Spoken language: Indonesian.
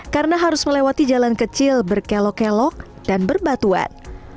karena harus melewati jalan kecil berkelok kelok dan berbatuan